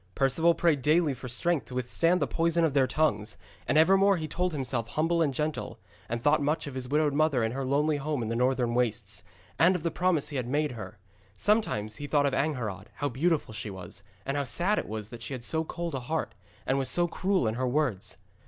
Perceval prayed daily for strength to withstand the poison of their tongues, and evermore he held himself humble and gentle, and thought much of his widowed mother in her lonely home in the northern wastes, and of the promise he had made her. Sometimes he thought of Angharad, how beautiful she was, and how sad it was that she had so cold a heart, and was so cruel in her words.